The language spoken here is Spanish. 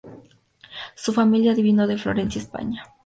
Su familia vino de Florencia, España.